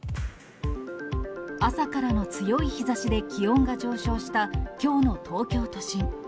朝からの強い日ざしで気温が上昇したきょうの東京都心。